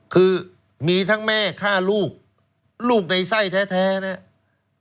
คือมีทั้งแม่ฆ่าลูกลูกในไส้แท้นะครับ